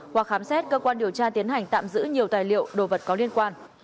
qua khám xét cơ quan điều tra tiến hành tạm giữ nhiều tài liệu đồ vật có liên quan